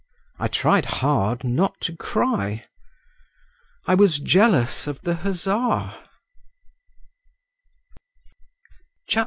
I tried hard not to cry…. I was jealous of the hussar.